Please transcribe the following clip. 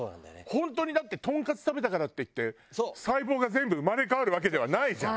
本当にだってトンカツ食べたからっていって細胞が全部生まれ変わるわけではないじゃん。